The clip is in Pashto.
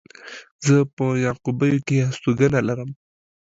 زه په يعقوبيو کې هستوګنه لرم.